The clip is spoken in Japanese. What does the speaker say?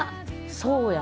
そうや。